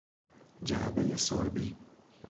جعبهی سربی